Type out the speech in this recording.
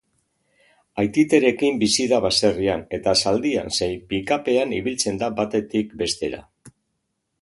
Aititerekin bizi da baserrian, eta zaldian zein pick-up-ean ibiltzen da batetik bestera.